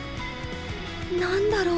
何だろう